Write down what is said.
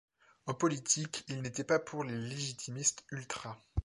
En politique, il n'était pas pour les légitimistes ultra.